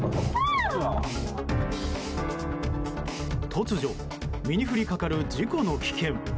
突如身に降りかかる事故の危険。